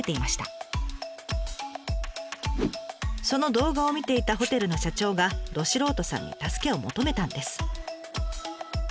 その動画を見ていたホテルの社長がど素人さんに助けを求めたんです。